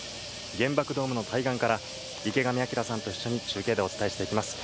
原爆ドームの対岸から、池上彰さんと一緒に、中継でお伝えしていきます。